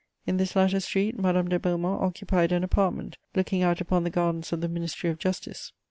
In this latter street, Madame de Beaumont occupied an apartment looking out upon the gardens of the Ministry of Justice.